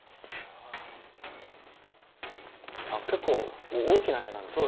結構大きな絵なんですね。